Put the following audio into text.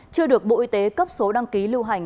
chưa được bộ y tế cấp số đăng ký lưu hành